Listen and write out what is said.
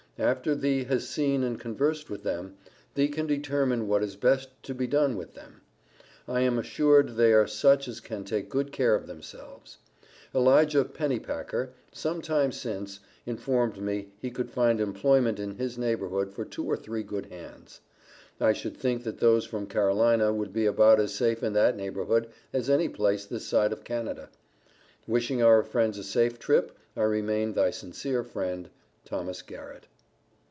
After thee has seen and conversed with them, thee can determine what is best to be done with them. I am assured they are such as can take good care of themselves. Elijah Pennypacker, some time since, informed me he could find employment in his neighborhood for two or three good hands. I should think that those from Carolina would be about as safe in that neighborhood as any place this side of Canada. Wishing our friends a safe trip, I remain thy sincere friend, THOS. GARRETT.